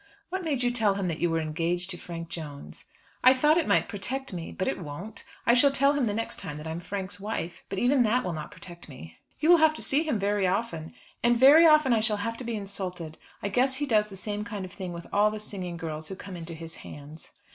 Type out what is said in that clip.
"What made you tell him that you were engaged to Frank Jones?" "I thought it might protect me but it won't. I shall tell him next time that I am Frank's wife. But even that will not protect me." "You will have to see him very often." "And very often I shall have to be insulted. I guess he does the same kind of thing with all the singing girls who come into his hands."